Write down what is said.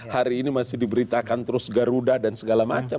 hari ini masih diberitakan terus garuda dan segala macam